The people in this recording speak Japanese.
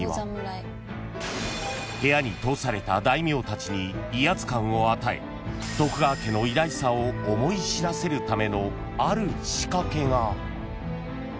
［部屋に通された大名たちに威圧感を与え徳川家の偉大さを思い知らせるためのある仕掛けが］